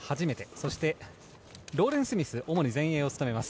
そしてローレン・スミスは主に前衛を務めます。